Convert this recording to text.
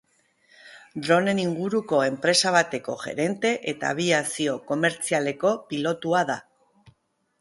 Droneen inguruko enpresa bateko gerente eta abiazio komertzialeko pilotua da.